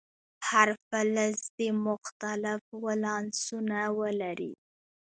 هر فلز دې مختلف ولانسونه ولري.